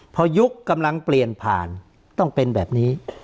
พอยุคกำลังเปลี่ยนผ่านต้องเป็นแบบนี้